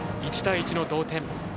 １対１の同点。